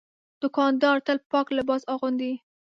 دوکاندار تل پاک لباس اغوندي.